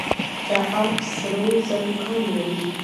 چاه اب سرو زرو کان لري؟